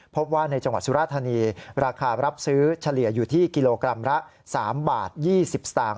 พบว่าในจังหวัดสุราธานีราคารับซื้อเฉลี่ยอยู่ที่กิโลกรัมละ๓บาท๒๐สตางค์